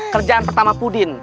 kerjaan pertama puding